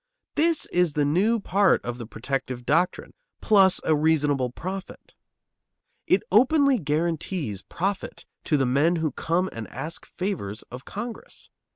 This is the new part of the protective doctrine: "plus a reasonable profit." It openly guarantees profit to the men who come and ask favors of Congress.